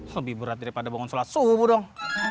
lebih berat daripada bangun sholat subuh dong